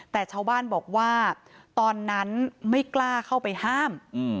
แต่ชาวบ้านบอกว่าตอนนั้นไม่กล้าเข้าไปห้าม